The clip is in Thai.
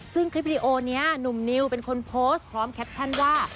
ซึ่งคลิปวิดีโอนี้หนุ่มนิวเป็นคนโพสต์พร้อมแคปชั่นว่า